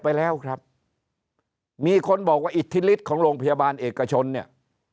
ไปแล้วครับมีคนบอกว่าอิทธิฤทธิ์ของโรงพยาบาลเอกชนเนี่ย